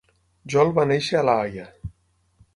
Jol va néixer a la Haia.